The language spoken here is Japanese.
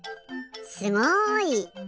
すごい！